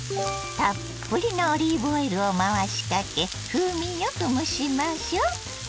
たっぷりのオリーブオイルを回しかけ風味よく蒸しましょ。